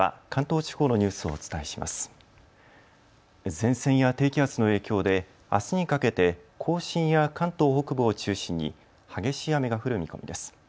前線や低気圧の影響であすにかけて甲信や関東北部を中心に激しい雨が降る見込みです。